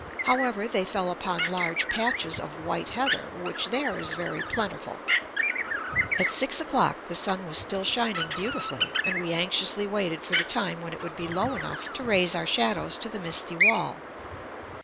However, they fell upon large patches of white heather, which there is very plentiful. At six o'clock the sun was still shining beautifully, and we anxiously waited for the time when it would be low enough to raise our shadows to the misty wall.